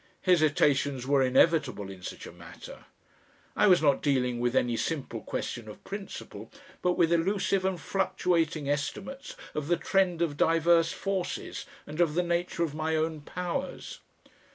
Hesitations were inevitable in such a matter. I was not dealing with any simple question of principle, but with elusive and fluctuating estimates of the trend of diverse forces and of the nature of my own powers.